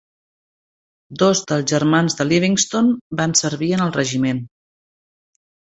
Dos dels germans de Livingston van servir en el regiment.